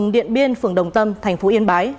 điện biên phường đồng tâm tp yên bái